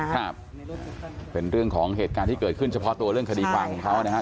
ครับเป็นเรื่องของเหตุการณ์ที่เกิดขึ้นเฉพาะตัวเรื่องคดีความของเขานะครับ